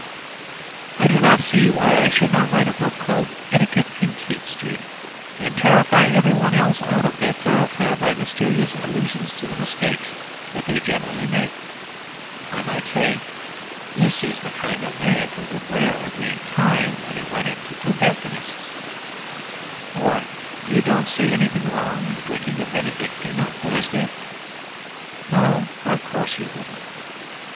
I do not see why I should not write a book called "Etiquette in Fleet Street," and terrify every one else out of that thoroughfare by mysterious allusions to the mistakes that they generally make. I might say: "This is the kind of man who would wear a green tie when he went into a tobacconist's," or "You don't see anything wrong in drinking a Benedictine on Thursday?.... No, of course you wouldn't."